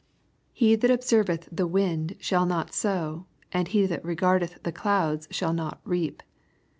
" He that observ LUKE, CHAP. m. 85 eth the wind shall not sow, and he that regardeth the clouds shall not reap."